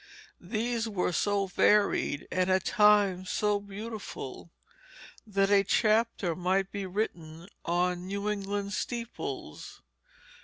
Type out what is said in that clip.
These were so varied and at times so beautiful that a chapter might be written on New England steeples.